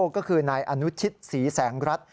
ก็คือนายอนุชิตศรีแสงรัฐ